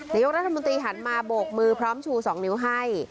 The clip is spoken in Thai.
นายกรัฐมนตรีหันมาโบกมือพร้อมชู๒นิ้วให้